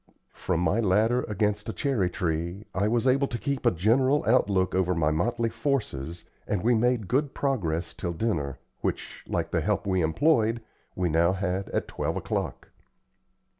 From my ladder against a cherry tree, I was able to keep a general outlook over my motley forces, and we all made good progress till dinner, which, like the help we employed, we now had at twelve o'clock.